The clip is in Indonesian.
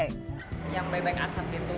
kalau bebek asap gitu